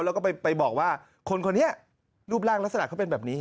แล้วก็ไปบอกว่าคนคนนี้รูปร่างลักษณะเขาเป็นแบบนี้